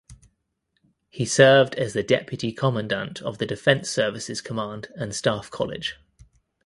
He served as the Deputy Commandant of the Defence Services Command and Staff College.